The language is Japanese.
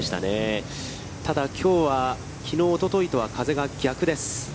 ただ、きょうはきのう、おとといとは風が逆です。